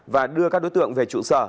và đưa các đối tượng về trụ sở